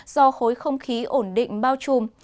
do khối không khí ổn định bao trùm